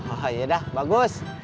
oh ya udah bagus